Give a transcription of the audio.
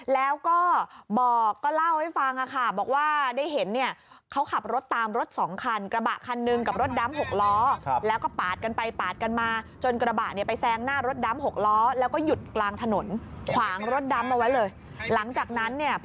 แล้วก็บอกก็เล่าให้ฟังอ่ะค่ะบอกว่าได้เห็นเนี้ย